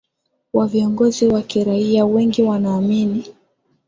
wa viongozi wa kiraia wengi wanaamini